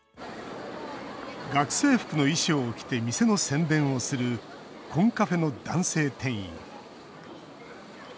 学生服の衣装を着て店の宣伝をするコンカフェの男性店員。